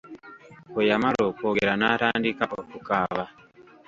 Bwe yamala okwogera n'atandika okukaaba.